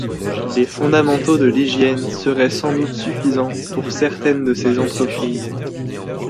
Les fondamentaux de l'hygiène seraient sans doute suffisants pour certaines de ces entreprises.